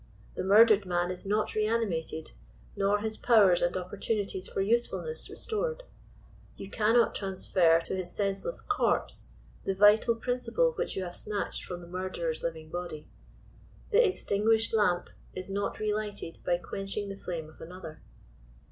The murdered man is not reanimated, nor his powers and opportunities for usefulness restored. You cannot transfer to his senseless corpse the vital principle which you have snatched from the murderer's living body. The extinguished lamp is not relighted by quenching the flame of another.